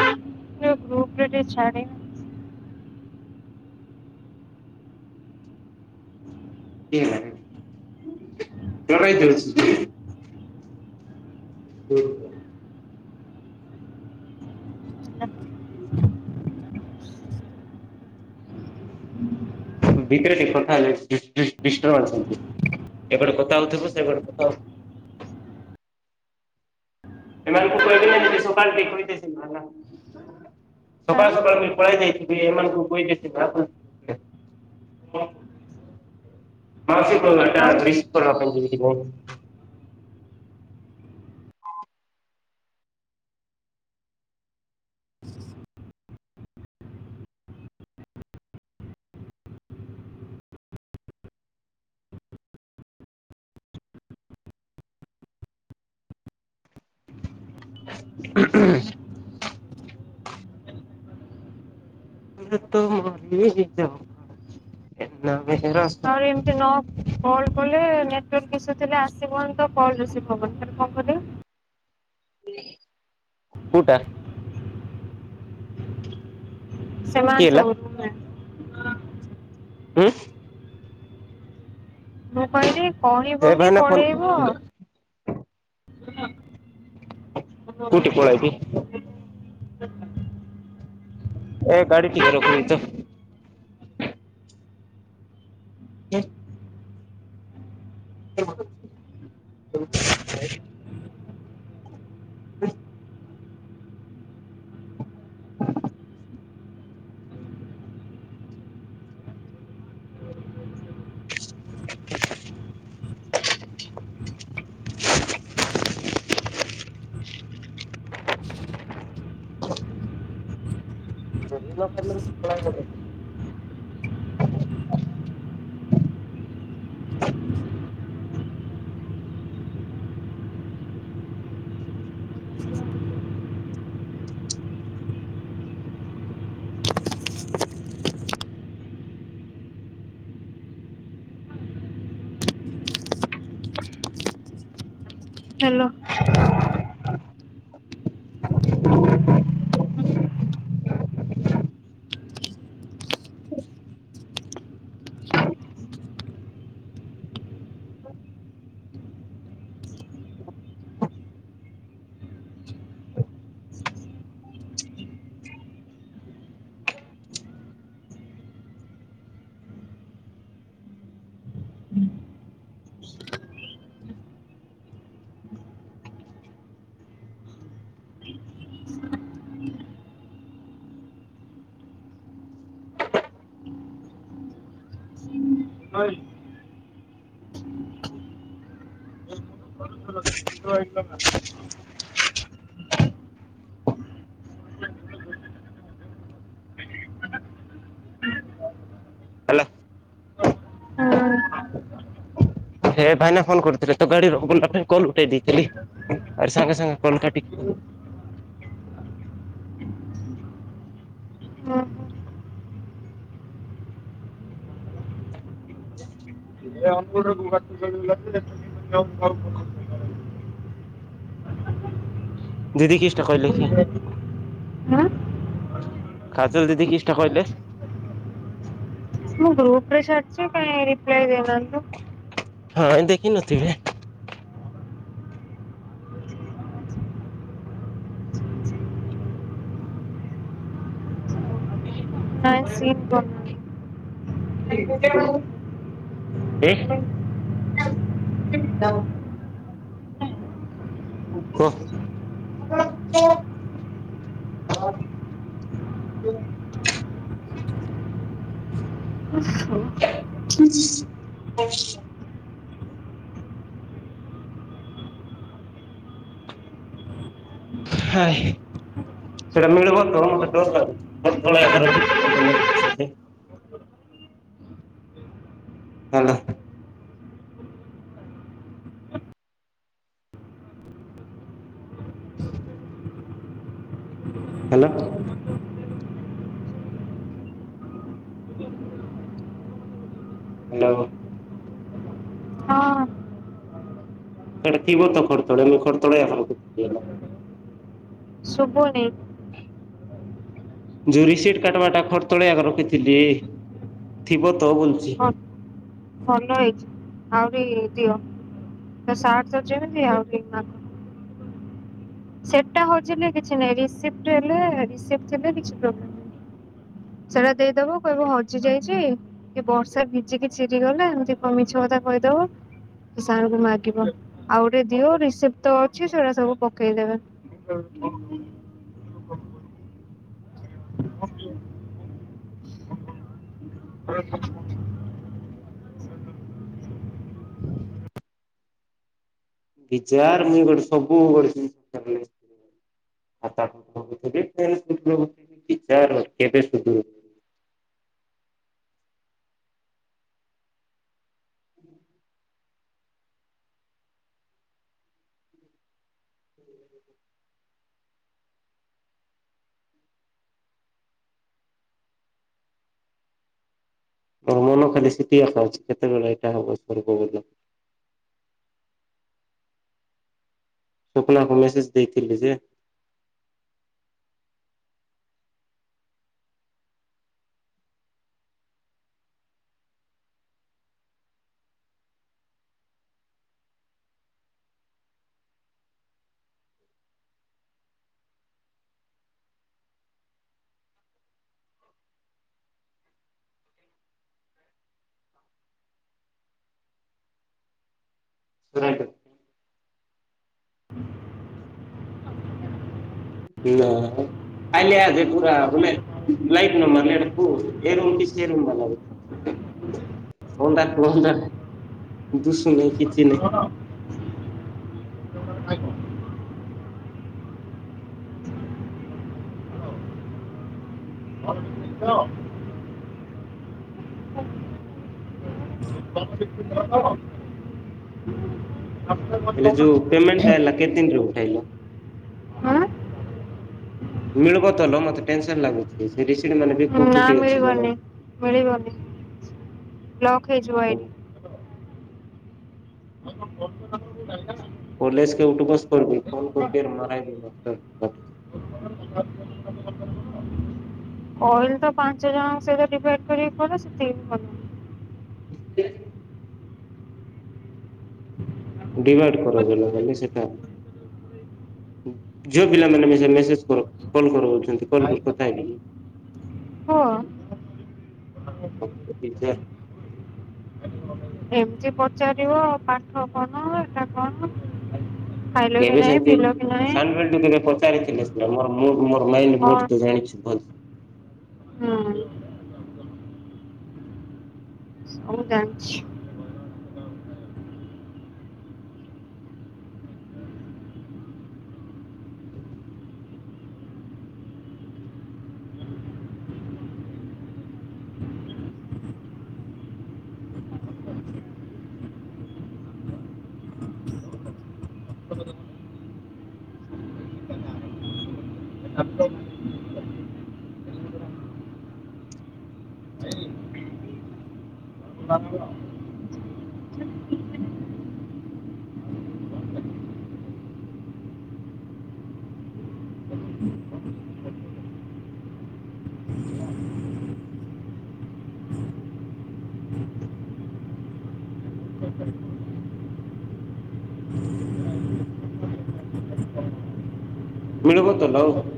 ଗ୍ରୁପରେ ଟିକେ ଛାଡ଼ିନୁ କିଏ ଜାଣିନି [unintelligible] ହୁଁ [unintelligible] ଏପଟେ କଥାହଉଥିବ ସେପଟେ କଥା ହ ଏମାନଙ୍କୁ କହିବି ନି ସକାଳୁ ଦେି ହାଁ ସକାଳୁ ସକାଳୁଁ ପଳେଇ ଯାଇଥିଲି ଏମାନଙ୍କୁ କହି ଯାଇଥିଲି ମାଟା ଆଉ [unintelligible] [inaudible] [inaudible] [unintelligible] ଆଉ ଏମତି ନ କଲ୍ କଲେ ନେଟର ଇସୁ ଥିଲେ ଆସିବନି ତ କଲ ରିସିଭ ହବନି ତାହେଲେ କଣ କରିବା। କୋଉଟା? କିଏ ହେଲା [unintelligible] ହୁଁ? ମୁଁ କହିଲି ଏ କହିବନି ଭାଇନା ଫୋନ୍ ପଳେଇବ। [inaudible] କୋଉଟି କୋଳା ହ୍ୟାଲୋ ହେଇତି? ଏ ଗାଡ଼ି ଟିକେ ରଖବି ତ। କେ [unintelligible] [unintelligible] [inaudible] ସେଦିନ ଠାରୁ ଖୋଳା ହେଇନ ହ୍ୟାଲୋ। ହେଲା ହଁ ହେ ଭାଇନା ଫୋନ କରୁଥିଲେ ତ ଗାଡି ର ପାଇଁ କଲ୍ ଉଠେଇ ଦେଇଥିଲି। ଆରେ ସାଙ୍ଗେ ସାଙ୍ଗେ କଲ୍ କାଟିକି ହୁଁ ଅଙ୍ଗ [unintelligible] ଦିଦି କିଛିଟା କହିଲେ କି ଆ [unintelligible] କାଜଲ୍ ଦିଦି କିଛିଟା କହିଲେ। ମୁଁ ଗ୍ରୁପ ରେ ଛାଡିଛି କେହି ରିପ୍ଲାଏ ଦେଇନାହାନ୍ତିତ। ହଁ ଏ ଦେଖିନଥିବେ। ହ ହ [unintelligible] ନାଇଁ ସିନ୍ କରିନାହାନ୍ତି। [unintelligible] [unintelligible] ହ [unintelligible] [unintelligible] ହାଏ ସେଇଟା ମିଳିବତ ମତେ ଡରଲାଗୁଛି [unintelligible] ଚ [inaudible] [unintelligible] ହାଲୋ। ହାଲୋ। ହଁ! ସେଇଟା କିବତ ଖଟତଳେ ମୁଁ ଖଟତଳେ ଆଉଦେଇନ। ଶୁବୁନି। ଯୋଉ ରସିଟ କାଟବାଟା ଖରତଳିଆଗ ରଖିଥିଲି ଥିବ ତ ବୋଲ ହଁ। ଭଲ ହେଇଛି ଆହୁରି ଦିଅ ତ ସାଟ ଯେମିତି ଆହୁରି। ସେଟା ହଜିଲେ କିଛି ନାହିଁ ରିସିପ୍ଟ ହେଲେ କିଛି ରିସିପ୍ଟ ଥିଲେ କିଛି ପ୍ରୋବ୍ଲେମ ନାହିଁ। ସେଇଟା ଦେଇଦବ କହିବ ହଜି ଯାଇଛି। କି ବର୍ଷା ଭିଜିକି ଚିରିଗଲେ ଏମିତି କଁ ମିଛ କଥା କହିଦବ। ସାରଙ୍କୁ ମାଗିବ ଆଉ ଗୋଟେ ଦିଅ ରିସିପ୍ଟ ତ ଅଛି ସେଟା ସବୁ। ପକେଇ ଦେବ। [unintelligible] ବିଚାର ମୁଇଁ ଗୋଟେ ସବୁ ଗୋଟେ ଜିନାରିଲ। [unintelligible] ହୁଁ [unintelligible] ମୋମନ ଖାଲି ସେଟିଆ ଖାଉଛି କେତେବେଳେ ଏଇଟା ହବ ସେପଟେ ପବନ ସ୍ୱପ୍ନାକୁ ମେସେଜ ଦେଇଥିଲି ଯେ। ଶଟ [unintelligible] ନା କାଲି ଆସେ ପୁରା ଭଲେ। ଲାଇଟ୍ ନ ମାରିଲେ ଏଟା କୋଉ ରୁମ୍ ଏ ରୁମ୍ କି ସେ ରୁମ୍ ବାଲରେ। ଅଣ୍ଡା ଅଣ୍ଡା ଦୁଷୁନହିଁ କିଛି ନାହିଁ। ହଁ [unintelligible] [unintelligible] ହ [inaudible] ହେଲେ ଯୋଉ ପେମେଣ୍ଟା ହେଲା କେତେ ଦିନରେ ଉଠେଇଲ? ଆଁ ମିଳିବ ତଲ ମତେ ଟେନସନ ଲାଗୁଛି ସେ ରିସିପ୍ଟ ମାନେ- ବି ନା କୁକୁଟି ଅଛି ମିଳିବନି ଜଣେ ମିଳିବନି ଲକ୍ ହେଇଯିବ ଆଇ ଡି। [unintelligible] ପୋଲିସକି ଉଠୁବସ କରିବି ଫୋନ କରିବି ମାରା [inaudible] କଲ୍ ତ ପାଞ୍ଚ ଜଣଙ୍କ ସହିତ ଡିଭାଇଡ କରିବାକୁ ପଡିବ ସେଥିପାଇଁ। ଡିଭାଇଡ କର [inaudible] ସେଟା ଝିଅ ପିଲାମାନେ ମେସେ ମେସେଜ କର କଲ୍ କରଉଛନ୍ତି, କଲ୍ କର କଥା ହେବି। ହଁ। [inaudible] ଏମିତି ପଚାରିବ ପାଠ କଣ ଏଟା କଣ? ଖାଇଲ କି ନାହିଁ ପିଇଲ କି ନାହିଁ? ଟିକେ ପଚାରିଥିଲେ ମୋର ମୁଁ ମୋର ମାଇଣ୍ଡ ମୋର ତୁ କଣ ତ ଜାଣିଛୁ ଭଲ ହୁଁ। ହଉ ଜାଣିଛି। ମିଳିବ ତାହାଲେ ଆଉ।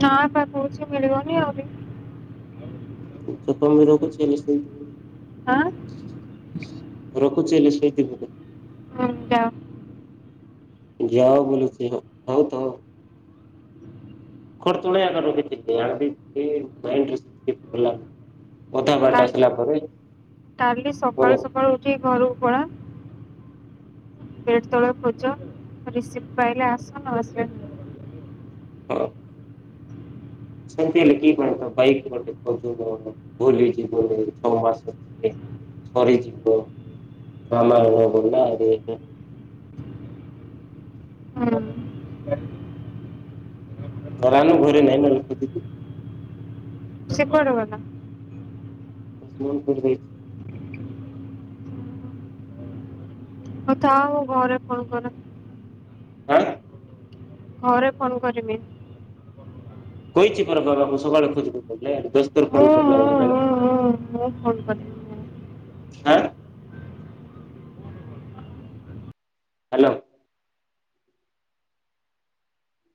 ନାଁ ବା କହୁଛି ମିଳିବନି ଆହୁରି ସକାଳୁ [inaudible] କରୁଛି ଏଇନା ସେଇ ହାଁ। ରଖୁଛି ହେଲେ ସେଇଥି ହୁଁ ଯାଅ ଯାଅ ବୋଲୁଛି ହଉ ହଉ ତ ଖଟ ତଳେ ଏକା [inaudible] ଅଧା ବାଟ କାଲି ଆସିଲା ପରେ [inaudible] ଠି ଘରକୁ ପଳା। ପେଟ ତଳେ ଖୋଜ ରିସିଭ ପାଇଲେ ଆସ ନ ଆସିଲେ ଅଛନ୍ତି ହେଲେ କିଏ କୁଆଡେ଼ ତ ବାଇକ୍ [inaudible] ଭୁଲି ଯିବରେ ଛଅ ମାସରେ ସରି ଯିବ। ଗ୍ରାମାର ବହି ନାଆ ଏବେ ହୁଁ। [inaudible] ଘରେ ନହିଁ ବୋଲି କିଛି ସିଏ କୁଆଡେ ଗଲା? [inaudible] କୁଛଭି ଆଉ ଥାଉ ଘରେ ଫୋନ୍ କରେ। ଆଁ! ଘରେ କଣ କରିବି। କହିଛି ପରା ବାବା ମୁଁ ସକାଳୁ ଖୋଜିବୁ କହିଲେ ଦଶ ଥର ମୁଁ ଫୋନ୍ କରିଲା ମୁଁ ବେଳେ ମୁଁ ମୁଁ ମୁଁ ଫୋନ୍ କଲି। ଆଁ? ହାଲୋ!